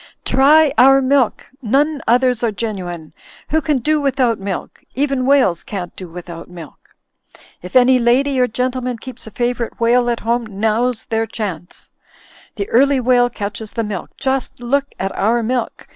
Try our milk! None others are genuine ! Who can do without milk. Even whales can't do without milk. 234 THE FLYING INN If any lady or gentleman keeps a favourite whale at home, now*s their chance ! The early whale catches the milk. Just look at our milk